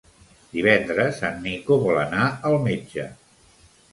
Divendres en Nico vol anar al metge.